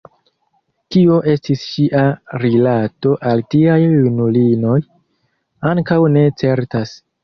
Kio estis ŝia rilato al tiaj junulinoj, ankaŭ ne certas.